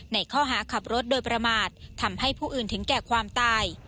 ในข้อหาขับรถโดยประมาททำให้ผู้อื่นถึงแก่ความตาย